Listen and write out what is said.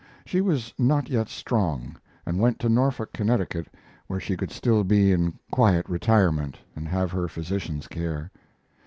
She was not yet strong, and went to Norfolk, Connecticut, where she could still be in quiet retirement and have her physician's care.